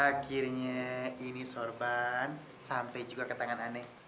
akhirnya ini sorban sampai juga ke tangan aneh